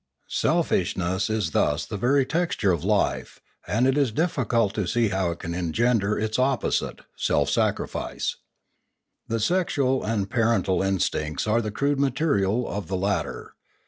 Selfishness is thus the very texture of life, and it is difficult to see how it can engender its opposite, self sacrifice. The sexual and the parental instincts are the crude material of the lat ter.